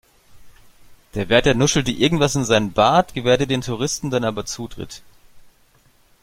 Der Wärter nuschelte irgendwas in seinen Bart, gewährte den Touristen dann aber Zutritt.